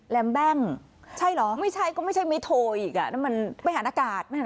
แมมแบงค์ใช่เหรอไม่ใช่ก็ไม่ใช่มิโทอีกอ่ะนั่นมันไม่หันหน้ากาก